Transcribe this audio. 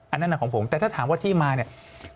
อันนั้นของผมแต่ถ้าถามว่าที่มาเนี่ย